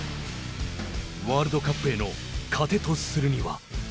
ワールドカップへの糧とするには。